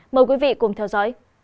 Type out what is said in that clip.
mời quý vị cùng theo dõi